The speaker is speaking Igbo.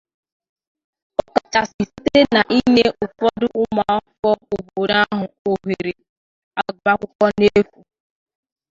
ọkachasị site n'inye ụfọdụ ụmụafọ obodo ahụ ohere agụmakwụkwọ n'efù